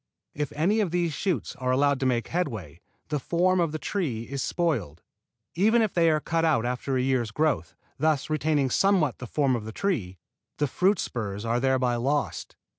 If any of these shoots are allowed to make headway, the form of the tree is spoiled. Even if they are cut out after a year's growth, thus retaining somewhat the form of the tree, the fruit spurs are thereby lost.